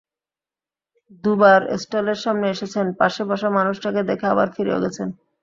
দুবার স্টলের সামনে এসেছেন, পাশে বসা মানুষটাকে দেখে আবার ফিরেও গেছেন।